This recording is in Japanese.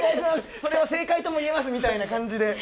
それは正解とも言えますみたいな感じで。